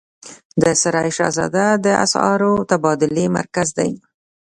د سرای شهزاده د اسعارو تبادلې مرکز دی